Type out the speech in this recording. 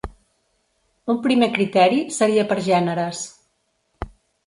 Un primer criteri, seria per gèneres.